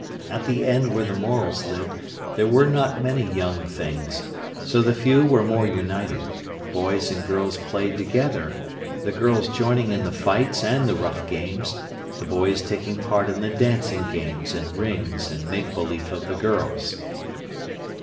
At the end where the Morels lived there were not many young things. So the few were more united. Boys and girls played together, the girls joining in the fights and the rough games, the boys taking part in the dancing games and rings and make belief of the girls.